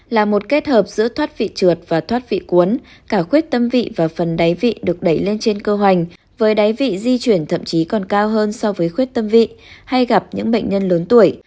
là một kết hợp giữa thoát vị trượt và thoát vị cuốn cả quyết tâm vị và phần đáy vị được đẩy lên trên cơ hoành với đáy vị di chuyển thậm chí còn cao hơn so với khuyết tâm vị hay gặp những bệnh nhân lớn tuổi